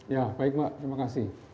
ya baik mbak terima kasih